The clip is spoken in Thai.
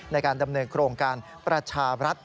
ในการดำเนินโครงการประชารัฐ